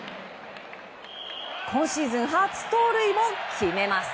今シーズン初盗塁も決めます。